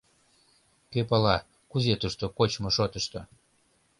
Кӧ пала, кузе тушто кочмо шотышто.